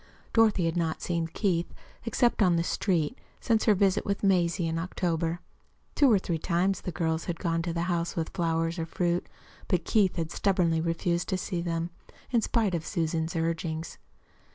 Dorothy had not seen Keith, except on the street, since her visit with Mazie in October. Two or three times the girls had gone to the house with flowers or fruit, but Keith had stubbornly refused to see them, in spite of Susan's urgings.